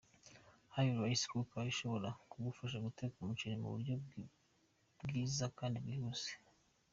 Hari Rice cooker ishobora kugufasha guteka umuceri mu buryo bwiza kandi bwihuse.